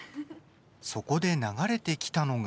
そこで流れてきたのが。